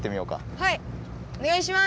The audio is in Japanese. はい！おねがいします！